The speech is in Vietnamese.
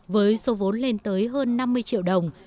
với số vốn lên tới hơn năm mươi triệu đồng